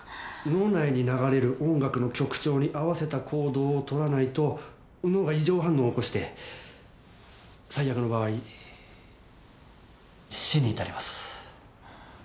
脳内に流れる音楽の曲調に合わせた行動をとらないと脳が異常反応を起こして最悪の場合死に至ります。